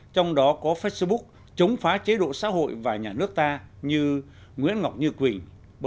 trong đó có facebook chống phá chế độ xã hội và nhà nước ta như nguyễn ngọc như quỳnh